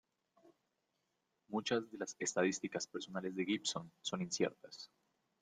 Muchas de las estadísticas personales de Gibson son inciertas.